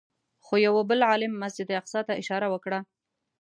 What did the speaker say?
خو یوه بل عالم مسجد اقصی ته اشاره وکړه.